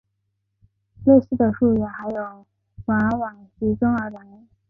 类似的术语还有硅烷衍生而来。